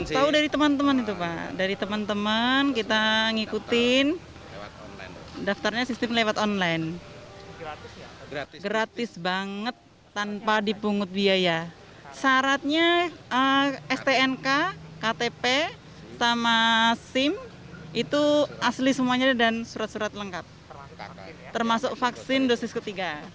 stnk ktp sama sim itu asli semuanya dan surat surat lengkap termasuk vaksin dosis ketiga